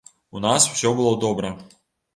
У нас усё было добра.